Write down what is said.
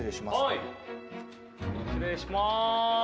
はい失礼します。